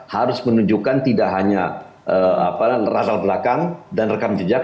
harus menunjukkan tidak hanya rasa belakang dan rekam jejak